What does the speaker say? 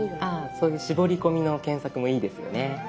そういう絞り込みの検索もいいですよね。